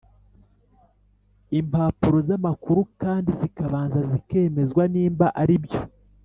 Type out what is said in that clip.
impapuro zamakuru kandi zikabanza zikemezwa nimba aribyo